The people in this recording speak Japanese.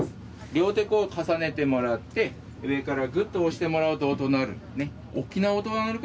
両手をこう重ねてもらって上からぐっと押してもらうと音鳴る。